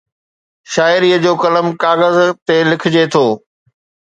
شاعري جو قلم ڪاغذ تي لکجي ٿو